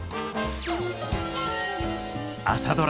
「朝ドラ」